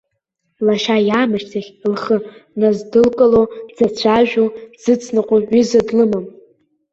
Лашьа иаамышьҭахь лхы наздылкыло, дзацәажәо, дзыцныҟәо ҩыза длымам.